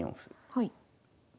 はい。